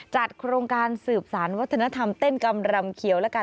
โครงการสืบสารวัฒนธรรมเต้นกำรำเขียวแล้วกัน